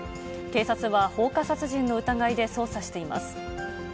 警察は放火殺人の疑いで捜査しています。